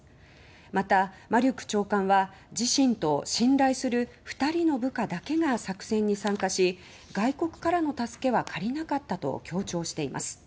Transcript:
また、マリュク長官は自身と信頼する２人の部下だけが作戦に参加し外国からの助けは借りなかったと強調しています。